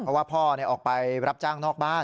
เพราะว่าพ่อออกไปรับจ้างนอกบ้าน